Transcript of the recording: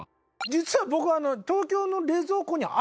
実は僕え！